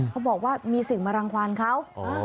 เขาบอกว่ามีสื่อมารังความเขา